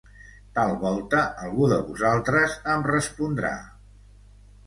Tal volta algú de vosaltres em respondrà